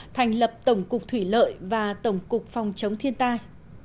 thành lập tổng cục thủy lợi và tổng cục phòng chống thiên tai